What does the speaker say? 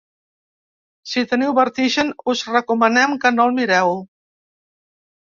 Si teniu vertigen, us recomanem que no el mireu.